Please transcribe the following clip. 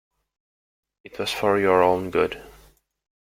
It was for your own good.